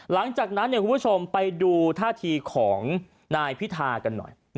หลังจากนั้นคุณผู้ชมไปดูท่าทีของนายพิธากันหน่อย